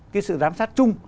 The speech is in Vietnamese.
cái sự giám sát chung